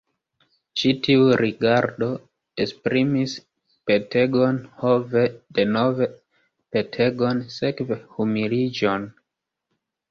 Ĉi tiu rigardo esprimis petegon, ho ve, denove petegon, sekve humiliĝon!